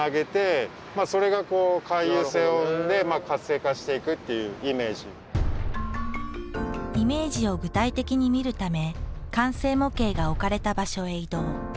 これを建てるときにイメージを具体的に見るため完成模型が置かれた場所へ移動。